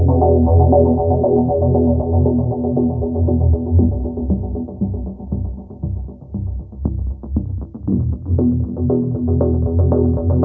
hampir ya ketauan